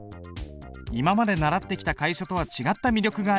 今まで習ってきた楷書とは違った魅力がありそうだ。